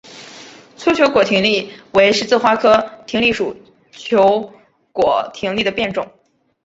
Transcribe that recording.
粗球果葶苈为十字花科葶苈属球果葶苈的变种。